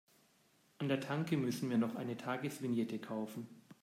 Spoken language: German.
An der Tanke müssen wir noch eine Tagesvignette kaufen.